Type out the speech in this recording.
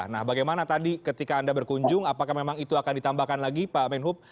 nah bagaimana tadi ketika anda berkunjung apakah memang itu akan ditambahkan lagi pak menhub